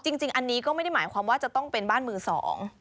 จริงจริงอันนี้ก็ไม่ได้หมายความว่าจะต้องเป็นบ้านมือสอง